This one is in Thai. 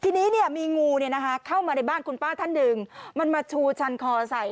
ทีนี้เนี่ยมีงูเนี่ยนะคะเข้ามาในบ้านคุณป้าท่านหนึ่งมันมาชูฉันคอใส่